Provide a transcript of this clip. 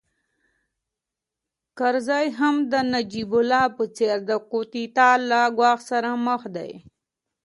کرزی هم د نجیب الله په څېر د کودتا له ګواښ سره مخ دی